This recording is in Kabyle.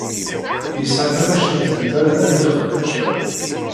Yesɛa tamacint n tarda n yeqbac.